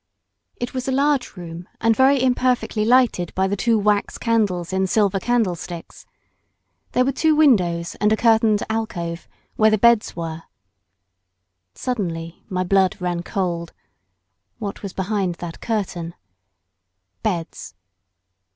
It was a large room, and very imperfectly lighted by the two wax candles in silver candlesticks. There were two windows and a curtained alcove, where the beds were. Suddenly my blood ran cold. What was behind that curtain? Beds.